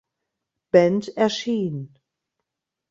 Band erschien.